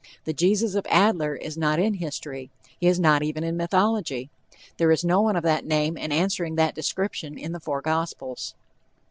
The Jesus of Adler is not in history, he is not even in mythology. There is no one of that name and answering that description in the four gospels.